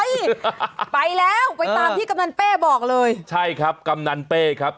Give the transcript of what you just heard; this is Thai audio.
ไปแล้วไปตามที่กำนันเป้บอกเลยใช่ครับกำนันเป้ครับ